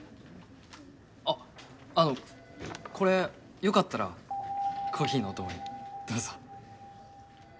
あっあのこれよかったらコーヒーのお供にどうぞ。